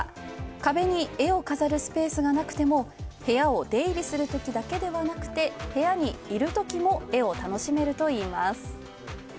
壁に絵を飾るスペースがなくても、部屋を出入りするときだけではなくて部屋にいるときも絵を楽しめるといいます。